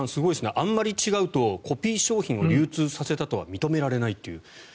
あんまり違うとコピー商品を流通させたとは認められないっていう。